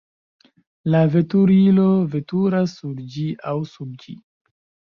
La veturilo veturas sur ĝi aŭ sub ĝi.